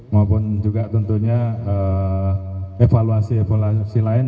maupun juga tentunya evaluasi evaluasi lain